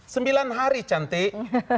sembilan hari cantik